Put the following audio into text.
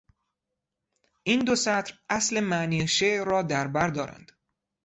این دو سطر اصل معنی شعر را در بر دارند.